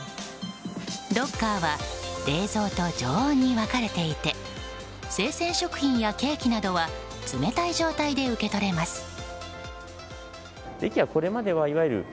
ロッカーは冷蔵と常温に分かれていて生鮮食品やケーキなどは冷たい状態で受け取れます。